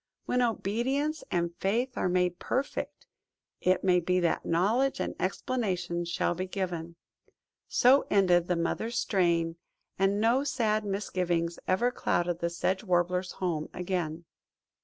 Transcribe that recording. When obedience and faith are made perfect, it may be that knowledge and explanation shall be given." So ended the Mother's strain, and no sad misgivings ever clouded the Sedge Warbler's home again.